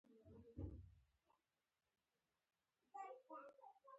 د هغه اصول د عدالت او انصاف په اړه دي.